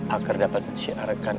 agar dapat menciarkan